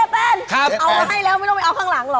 คุณเจแปนออกมาให้แล้วไม่ต้องเอาข้างหลัง